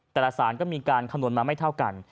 สารก็มีการคำนวณมาไม่เท่ากัน